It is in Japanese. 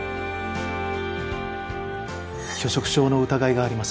拒食症の疑いがあります。